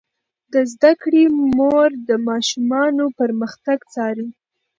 د زده کړې مور د ماشومانو پرمختګ څاري.